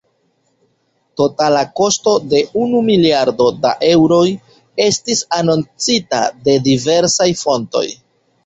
Totala kosto de unu miliardo da eŭroj estis anoncita de diversaj fontoj.